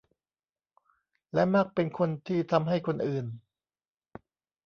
และมักเป็นคนที่ทำให้คนอื่น